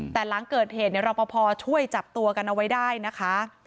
แต่หลังเกิดเหตุรอปภช่วยจับตัวกันเอาไว้ได้นะคะ